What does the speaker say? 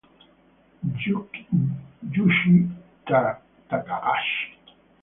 Yūji Takahashi